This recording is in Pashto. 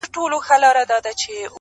ما ویلي وه چي ته نه سړی کيږې.